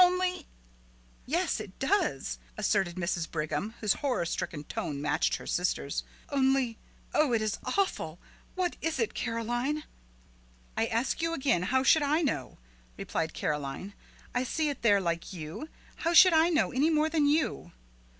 "Only " "Yes, it does," assented Mrs. Brigham, whose horror stricken tone matched her sisters', "only Oh, it is awful! What is it, Caroline?" "I ask you again, how should I know?" replied Caroline. "I see it there like you. How should I know any more than you?"